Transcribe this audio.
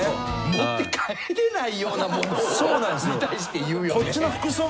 持って帰れないようなものに対して言うよね。